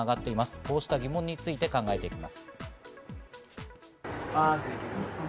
こうした疑問について考えていきます。